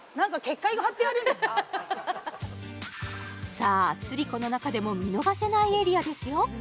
さあスリコの中でも見逃せないエリアですよ